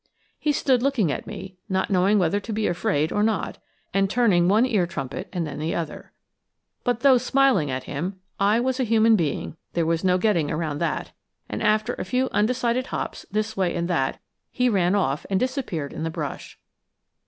He stood looking at me, not knowing whether to be afraid or not, and turning one ear trumpet and then the other. But though smiling at him, I was a human being, there was no getting around that; and after a few undecided hops, this way and that, he ran off and disappeared in the brush.